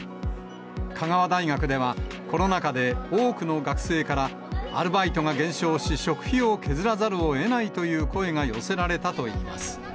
香川大学では、コロナ禍で、多くの学生からアルバイトが減少し、食費を削らざるをえないという声が寄せられたといいます。